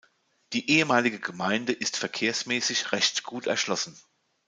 Die ehemalige Gemeinde ist verkehrsmässig recht gut erschlossen.